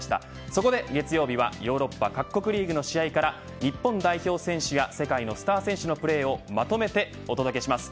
そこで月曜日は、ヨーロッパ各国リーグの試合から日本代表選手や世界のスター選手のプレーをまとめてお届けします。